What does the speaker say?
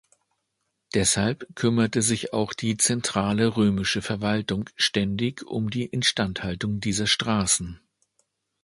Deshalb kümmerte sich auch die zentrale römische Verwaltung ständig um die Instandhaltung dieser Straßen.